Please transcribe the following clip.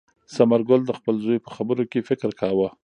ثمر ګل د خپل زوی په خبرو کې فکر کاوه.